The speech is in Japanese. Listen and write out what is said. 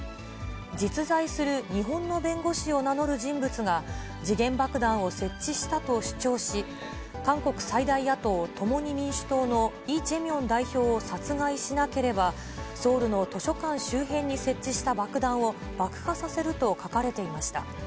実在する日本の弁護士を名乗る人物が時限爆弾を設置したと主張し、韓国最大野党・共に民主党のイ・ジェミョン代表を殺害しなければ、ソウルの図書館周辺に設置した爆弾を爆破させると書かれていました。